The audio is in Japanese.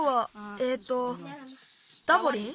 えっとダボリン？